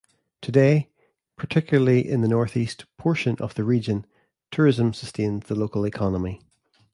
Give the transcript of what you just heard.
Today, particularly in the northeast portion of the region, tourism sustains the local economy.